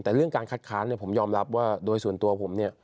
แต่เรื่องการคัดค้านเนี่ยผมยอมรับว่าโดยส่วนตัวผมเนี่ย